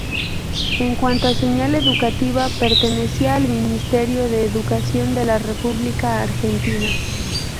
En cuanto señal educativa, pertenecía al Ministerio de Educación de la República Argentina.